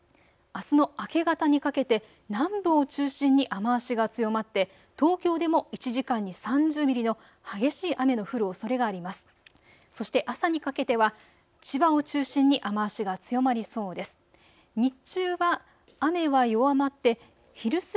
あすの明け方にかけて南部を中心に雨足が強まって東京でも１時間に３０ミリの激しい雨の降るおそれがあります。